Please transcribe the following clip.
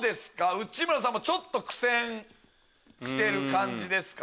内村さんも苦戦してる感じですかね。